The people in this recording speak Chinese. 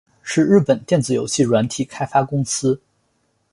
是日本电子游戏软体开发公司。